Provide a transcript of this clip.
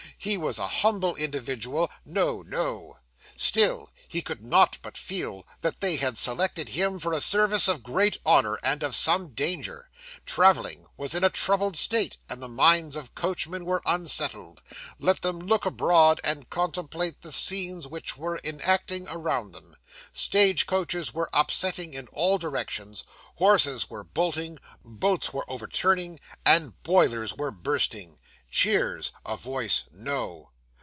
He was a humble individual. ("No, no.") Still he could not but feel that they had selected him for a service of great honour, and of some danger. Travelling was in a troubled state, and the minds of coachmen were unsettled. Let them look abroad and contemplate the scenes which were enacting around them. Stage coaches were upsetting in all directions, horses were bolting, boats were overturning, and boilers were bursting. (Cheers a voice "No.")